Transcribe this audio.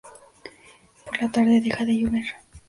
Por la tarde deja de llover.